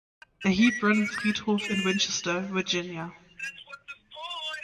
Der Hebron-Friedhof in Winchester, Virginia.